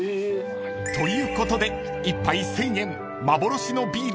［ということで一杯１，０００円］